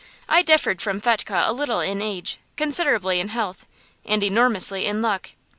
I differed from Fetchke a little in age, considerably in health, and enormously in luck.